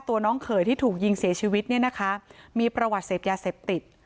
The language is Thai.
น้องเขยที่ถูกยิงเสียชีวิตเนี่ยนะคะมีประวัติเสพยาเสพติด